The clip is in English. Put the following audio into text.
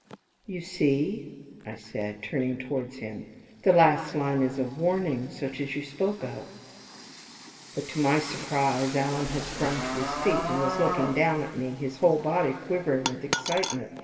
"You see," I said, turning towards him slowly, "the last line is a warning such as you spoke of." But to my surprise Alan had sprung to his feet, and was looking down at me, his whole body quivering with excitement.